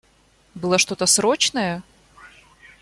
Было что-то срочное?